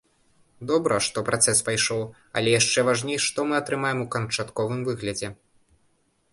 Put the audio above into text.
Добра, што працэс пайшоў, але яшчэ важней, што мы атрымаем у канчатковым выглядзе.